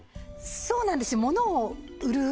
そうなんですよ